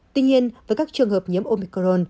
tuy nhiên với các trường hợp nhiễm omicron